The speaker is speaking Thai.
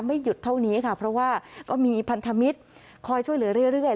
หยุดเท่านี้ค่ะเพราะว่าก็มีพันธมิตรคอยช่วยเหลือเรื่อย